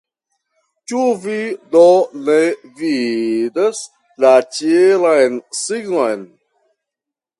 Ĉu vi do ne vidas la ĉielan signon ?